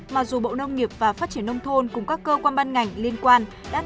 mặc dù bộ nông nghiệp và phát triển nông thôn cùng các cơ quan ban ngành liên quan